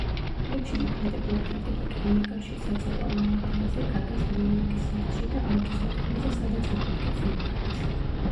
კლიპში მოქმედება ვითარდება კლინიკაში, საცეკვაო მოედანზე, გაგას ნიუ-იორკის სახლში და ავტოსადგომზე სადაც აფეთქებს მანქანას.